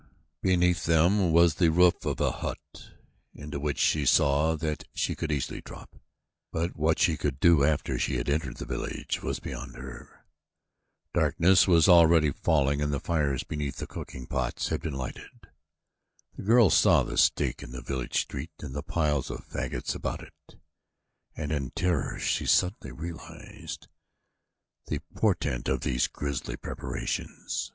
Beneath them was the roof of a hut onto which she saw that she could easily drop, but what she could do after she had entered the village was beyond her. Darkness was already falling and the fires beneath the cooking pots had been lighted. The girl saw the stake in the village street and the piles of fagots about it and in terror she suddenly realized the portent of these grisly preparations.